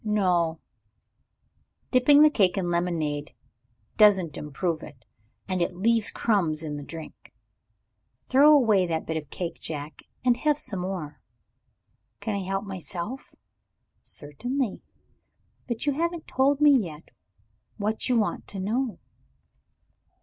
No: dipping the cake in lemonade doesn't improve it, and it leaves crumbs in the drink." "Throw away that bit of cake, Jack, and have some more. "May I help myself?" "Certainly. But you haven't told me yet what you want to know."